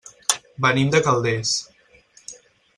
Venim de Calders.